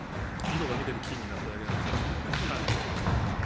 色が抜けて金になっただけなんですけど。